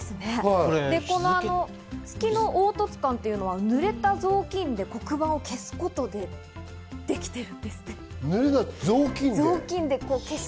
月の凹凸感はぬれた雑巾で黒板を消すことでできているんですって。